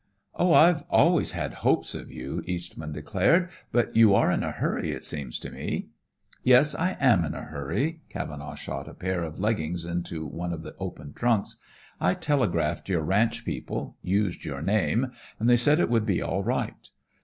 "Oh, I've always had hopes of you!" Eastman declared. "But you are in a hurry, it seems to me." "Yes, I am in a hurry." Cavenaugh shot a pair of leggings into one of the open trunks. "I telegraphed your ranch people, used your name, and they said it would be all right.